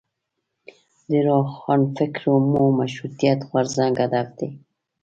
له روښانفکرۍ مو مشروطیت غورځنګ هدف دی.